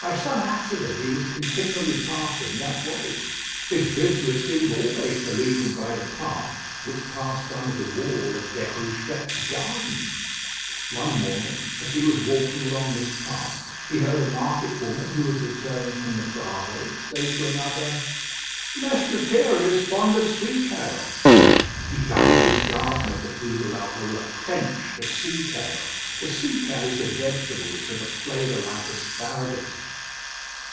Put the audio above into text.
By some accident he was continually passing that way. His business seemed always to lead him by the path which passed under the wall of Déruchette's garden. One morning, as he was walking along this path, he heard a market woman who was returning from the Bravées, say to another: "Mess Lethierry is fond of sea kale." He dug in his garden of the Bû de la Rue a trench for sea kale. The sea kale is a vegetable which has a flavour like asparagus.